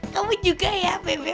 kamu juga ya bebe